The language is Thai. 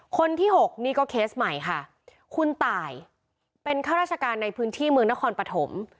คนที่๖นี่ก็เคสใหม่ค่ะคุณตายเป็นข้าราชการในพื้นที่เมืองนครปฐม